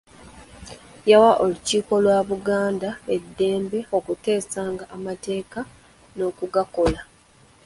Yawa olukiiko lwa Buganda eddembe okuteesanga amateeka n'okugakola.